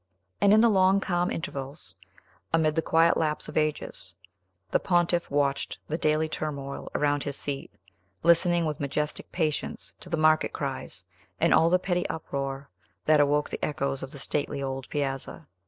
And in the long, calm intervals, amid the quiet lapse of ages, the pontiff watched the daily turmoil around his seat, listening with majestic patience to the market cries, and all the petty uproar that awoke the echoes of the stately old piazza.